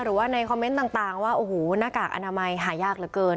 หรือว่าในคอมเมนต์ต่างว่าโอ้โหหน้ากากอนามัยหายากเหลือเกิน